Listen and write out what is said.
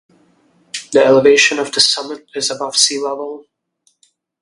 The elevation of the summit is above sea level.